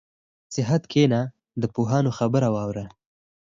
په نصیحت کښېنه، د پوهانو خبره واوره.